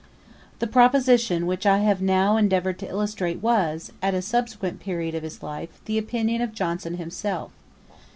1755.] The proposition which I have now endeavoured to illustrate was, at a subsequent period of his life, the opinion of Johnson himself.